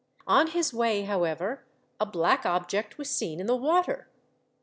On his way, however, a black object was seen in the water.